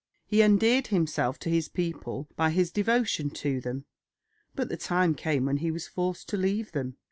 He endeared himself to his people by his devotion to them; but the time came when he was forced to leave them.